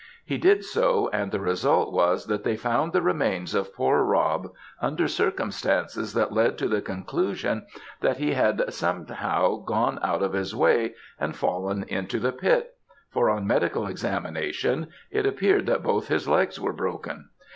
He did so, and the result was that they found the remains of poor Rob under circumstances that led to the conclusion that he had somehow gone out of his way, and fallen into the pit; for on medical examination, it appeared that both his legs were broken.